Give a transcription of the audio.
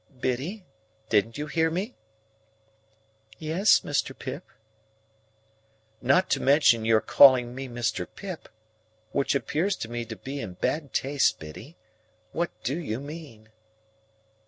"Biddy, don't you hear me?" "Yes, Mr. Pip." "Not to mention your calling me Mr. Pip,—which appears to me to be in bad taste, Biddy,—what do you mean?"